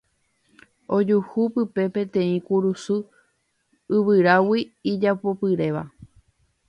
ojuhu pype peteĩ kurusu yvyrágui ijapopyréva